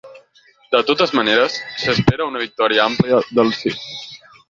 De totes maneres, s’espera una victòria àmplia del sí.